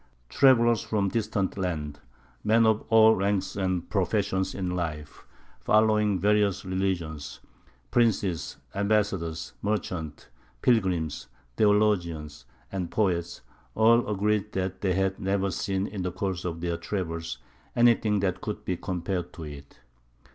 Travellers from distant lands, men of all ranks and professions in life, following various religions, princes, ambassadors, merchants, pilgrims, theologians, and poets all agreed that they had never seen in the course of their travels anything that could be compared to it.